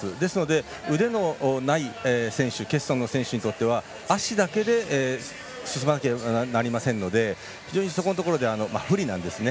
ですので、腕のない選手欠損の選手にとっては足だけで進まなくてはならないので非常にそこのところで不利なんですね。